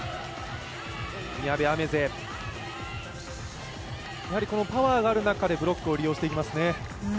宮部愛芽世、パワーがある中でブロックを利用していきますね。